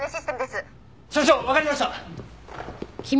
所長わかりました！